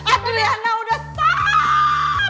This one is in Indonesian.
aku lihatnya udah